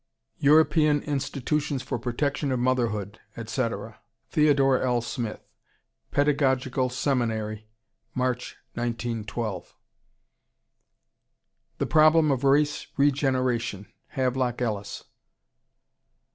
"European Institutions for Protection of Motherhood," etc. Theodore L. Smith, Pedagogical Seminary, Mar., 1912. The Problem of Race Regeneration, Havelock Ellis.